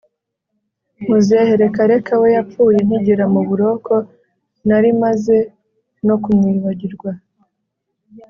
muzehe reka reka, we yapfuye nkigera mu muburoko nari maze no kumwibagirwa